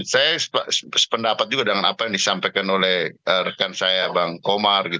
saya sependapat juga dengan apa yang disampaikan oleh rekan saya bang komar